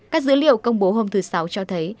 các dữ liệu công bố hôm thứ sáu cho thấy